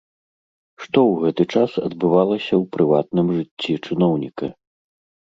Што ў гэты час адбывалася ў прыватным жыцці чыноўніка?